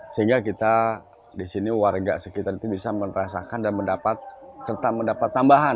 sehingga kita disini warga sekitar itu bisa merasakan dan mendapat tambahan